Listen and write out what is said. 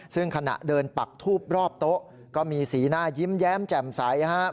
ซึ่งขณะเดินปักทูบรอบโต๊ะก็มีสีหน้ายิ้มแย้มแจ่มใส